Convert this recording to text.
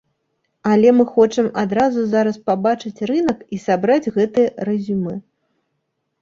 Але мы хочам адразу зараз пабачыць рынак і сабраць гэтыя рэзюмэ.